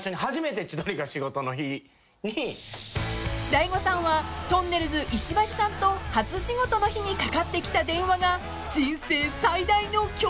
［大悟さんはとんねるず石橋さんと初仕事の日にかかってきた電話が人生最大の恐怖だったそうで］